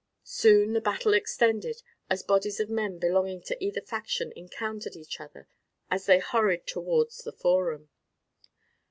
Soon the battle extended, as bodies of men belonging to either faction encountered each other as they hurried towards the forum.